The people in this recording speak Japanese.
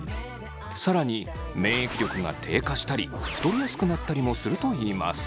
更に免疫力が低下したり太りやすくなったりもするといいます。